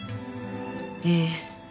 ええ。